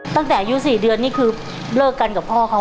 ตั้งแต่อายุ๔เดือนนี่คือเลิกกันกับพ่อเขา